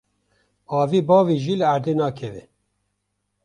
Avê biavêjî li erdê nakeve.